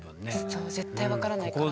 そう絶対分からないから。